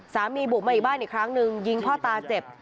บุกมาอีกบ้านอีกครั้งหนึ่งยิงพ่อตาเจ็บ